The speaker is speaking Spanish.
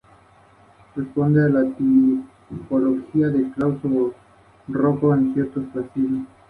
Los toboganes son tradicionalmente metálicos, abiertos y con una superficie recta.